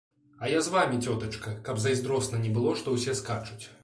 А я з вамі, цётачка, каб зайздросна не было, што ўсе скачуць.